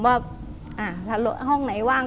ว่าถ้าห้องไหนว่าง